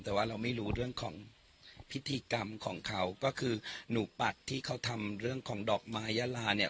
แต่ว่าเราไม่รู้เรื่องของพิธีกรรมของเขาก็คือหนูปัดที่เขาทำเรื่องของดอกไม้ยาลาเนี่ย